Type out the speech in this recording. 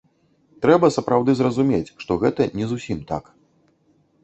Трэба сапраўды зразумець, што гэта не зусім так.